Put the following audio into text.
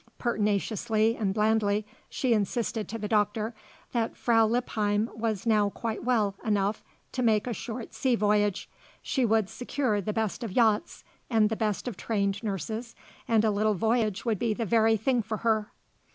Pertinaciously and blandly she insisted to the doctor that Frau Lippheim was now quite well enough to make a short sea voyage. She would secure the best of yachts and the best of trained nurses, and a little voyage would be the very thing for her.